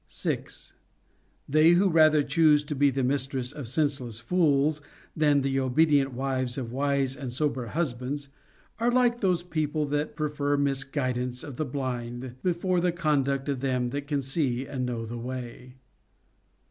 6. They who rather choose to be the mistresses of sense less fools than the obedient wives of wise and sober hus bands are like those people that prefer misguidance of the blind before the conduct of them that can see and know the way.